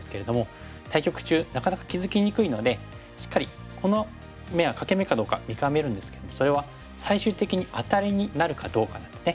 対局中なかなか気付きにくいのでしっかりこの眼は欠け眼かどうか見極めるんですけどそれは最終的にアタリになるかどうかなんですね。